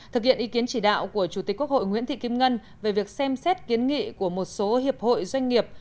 thực hiện ý kiến chỉ đạo của chủ tịch quốc hội nguyễn thị kim ngân về việc xem xét kiến nghị của một số hiệp hội doanh nghiệp